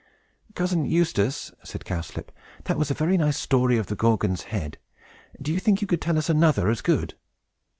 "Cousin Eustace," said Cowslip, "that was a very nice story of the Gorgon's Head. Do you think you could tell us another as good?"